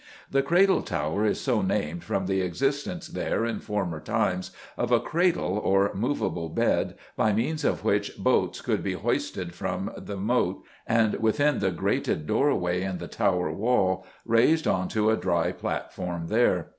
The Cradle Tower is so named from the existence there in former times of a "cradle," or movable bed by means of which boats could be hoisted from the moat, and, within the grated doorway in the tower wall, raised on to a dry platform there.